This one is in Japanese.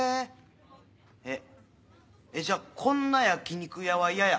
えじゃあ「こんな焼き肉屋は嫌や」